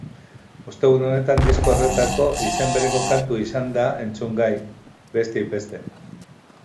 Ostegun honetan disko horretako izen bereko kantua izan da entzungai, besteak beste.